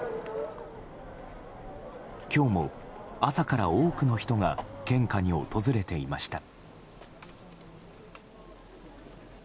今日も朝から多くの人が献花に訪れていました。